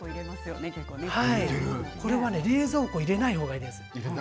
これは冷蔵庫に入れない方がいいです。